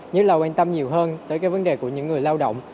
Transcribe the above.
nhất là quan tâm nhiều hơn tới cái vấn đề của những người lao động